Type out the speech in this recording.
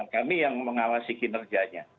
kami yang mengawasi kinerjanya